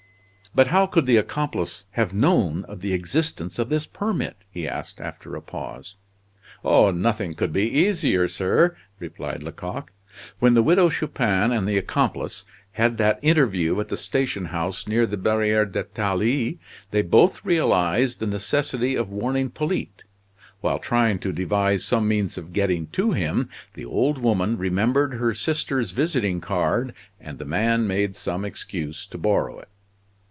"But how could the accomplice have known of the existence of this permit?" he asked after a pause. "Oh, nothing could be easier, sir," replied Lecoq. "When the Widow Chupin and the accomplice had that interview at the station house near the Barriere d'Italie, they both realized the necessity of warning Polyte. While trying to devise some means of getting to him, the old woman remembered her sister's visiting card, and the man made some excuse to borrow it."